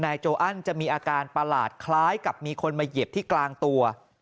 โจอันจะมีอาการประหลาดคล้ายกับมีคนมาเหยียบที่กลางตัว